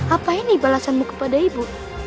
apa ini balasanmu kepada ibu